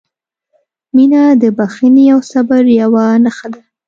• مینه د بښنې او صبر یوه نښه ده.